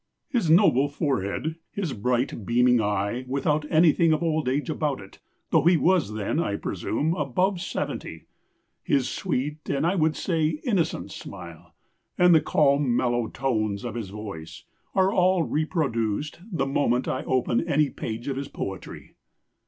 'His noble forehead, his bright beaming eye, without anything of old age about it though he was then, I presume, above seventy; his sweet, and, I would say, innocent smile, and the calm mellow tones of his voice, are all reproduced the moment I open any page of his poetry.